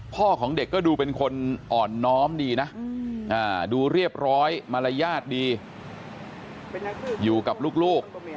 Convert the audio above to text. ของเด็กก็ดูเป็นคนอ่อนน้อมดีนะดูเรียบร้อยมารยาทดีอยู่กับลูก